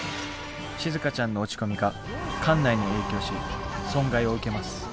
しずかちゃんの落ち込みが艦内に影響し損害を受けます。